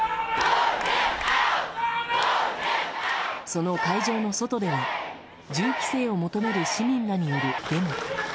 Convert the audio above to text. その会場の外では銃規制を求める市民らによるデモ。